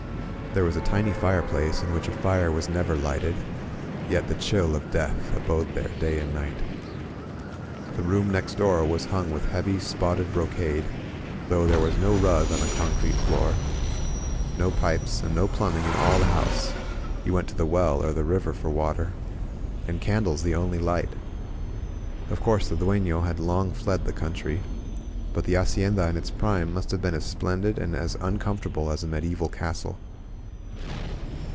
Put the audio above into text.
There was a tiny fireplace, in which a fire was never lighted, yet the chill of death abode there day and night. The room next door was hung with heavy, spotted brocade, though there was no rug on the 81 INSURGENT MEXICO eoncrete floor. No pipes and no plumbing in all the house, — ^you went to the well or the river for water. And candles the only light! Of course the duefk) had long fled the country; but the hacienda in its prime must have been as splendid and as uncomfortable as a medieval castle.